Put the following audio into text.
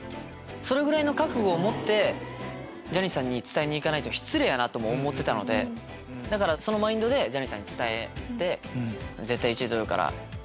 それぐらいの覚悟を持ってジャニーさんに伝えに行かないと失礼やなとも思ってたのでそのマインドでジャニーさんに伝えて。